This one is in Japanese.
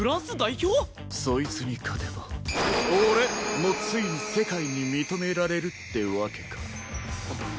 そいつに勝てば俺もついに世界に認められるってわけか。